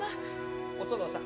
お園さん。